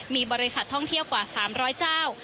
มีบริษัทท่องเที่ยวกว่า๓๐๐เจ้า